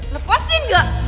lepas nih engga